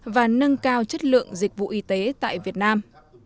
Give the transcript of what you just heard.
và nâng cao chất lượng dịch vụ y tế tại việt nam